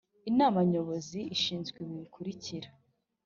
Inama Nyobozi ishinzwe ibi ikurikira